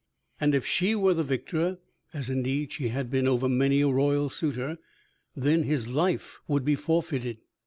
And if she were the victor, as indeed she had been over many a royal suitor, then his life would be forfeited.